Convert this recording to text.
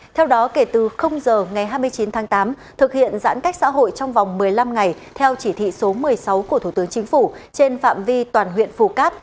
theo đó kể từ giờ ngày hai mươi chín tháng tám thực hiện giãn cách xã hội trong vòng một mươi năm ngày theo chỉ thị số một mươi sáu của thủ tướng chính phủ trên phạm vi toàn huyện phù cát